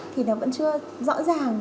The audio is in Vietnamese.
thì nó vẫn chưa rõ ràng